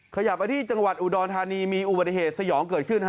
ขยับไปที่จังหวัดอุดรธานีมีอุบัติเหตุสยองเกิดขึ้น